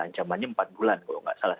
ancamannya empat bulan kalau nggak salah